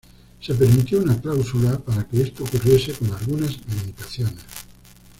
Se permitió una cláusula para que esto ocurriese con algunas limitaciones.